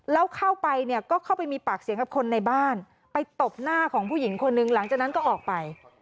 แล้วเข้าไปเนี่ยก็เข้าไปมีปากเสียงกับคนในบ้านไปตบหน้าของผู้หญิงคนนึงหลังจากนั้นก็ออกไป